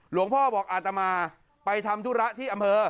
พ่อบอกอาตมาไปทำธุระที่อำเภอ